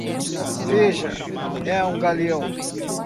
Veja: é um galeão!